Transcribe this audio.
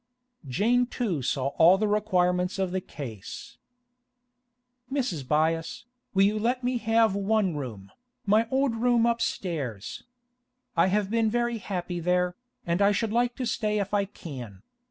Jane too saw all the requirements of the case. 'Mrs. Byass, will you let me have one room—my old room upstairs? I have been very happy there, and I should like to stay if I can.